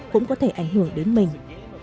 cũng có thể ảnh hưởng đến mình